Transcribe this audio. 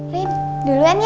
rin duluan ya